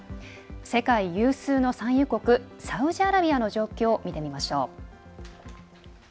世界有数の産油国サウジアラビアの状況を見てみましょう。